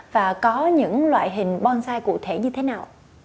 và có những loại hình bonsai cụ thể như thế nào